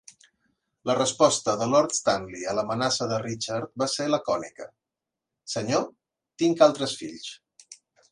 La resposta de Lord Stanley a l'amenaça de Richard va ser lacònica: "Senyor, tinc altres fills".